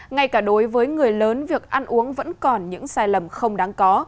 ngay cả đối với người lớn việc ăn uống vẫn còn những sai lầm không đáng có